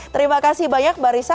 terima kasih banyak barisa